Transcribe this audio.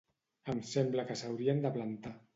Em sembla que s’haurien de plantar.